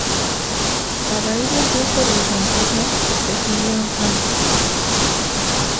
A raíz del triunfo del franquismo, se exilió en Francia.